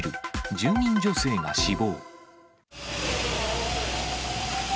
住人女性が死亡。